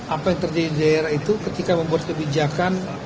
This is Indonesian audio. apa yang terjadi di daerah itu ketika membuat kebijakan